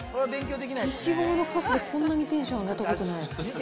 消しゴムのカスでこんなにテンション上がったことない。